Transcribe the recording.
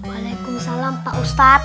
waalaikumsalam pak ustaz